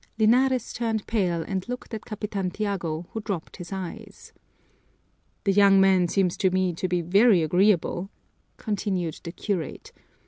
Linares turned pale and looked at Capitan Tiago, who dropped his eyes. "That young man seems to me to be very agreeable," continued the curate.